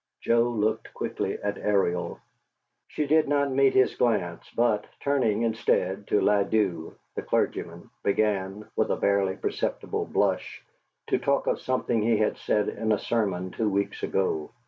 Joe looked quickly at Ariel. She did not meet his glance, but, turning instead to Ladew, the clergyman, began, with a barely perceptible blush, to talk of something he had said in a sermon two weeks ago.